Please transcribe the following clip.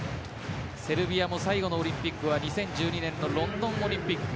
セルビアも最後のオリンピックは２０１２年のロンドンオリンピック。